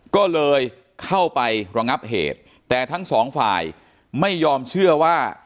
ก็เลยเข้าไประงับเหตุแต่ทั้งสองฝ่ายไม่ยอมเชื่อว่า